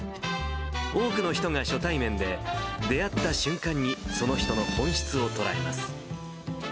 多くの人が初対面で、出会った瞬間にその人の本質を捉えます。